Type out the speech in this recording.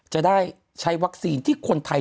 จะได้ใช้วัคซีนที่คนไทย